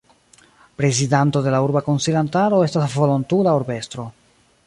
Prezidanto de la urba konsilantaro estas volontula urbestro.